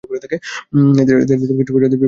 এদের কিছু প্রজাতি পিঁপড়া খেয়ে জীবন ধারণ করে।